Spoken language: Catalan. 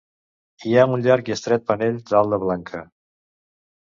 Hi ha un llarg i estret panell d'ala blanca.